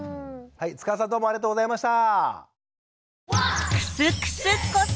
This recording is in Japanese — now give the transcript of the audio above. はい塚田さんどうもありがとうございました。